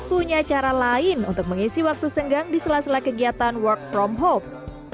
punya cara lain untuk mengisi waktu senggang diselah selah kegiatan work from hope